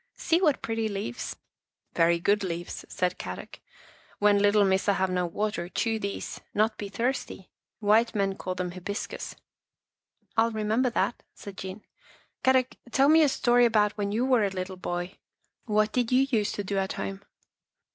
" See what pretty leaves." " Very good leaves," said Kadok. " When little Missa have no water, chew these, not be thirsty. White men call them hibiscus." " I'll remember that," said Jean. " Kadok, tell me a story about when you were a little boy. What did you used to do at home?